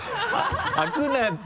「開くな」って。